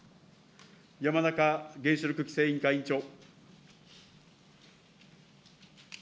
山中原子力規制委員会委員長。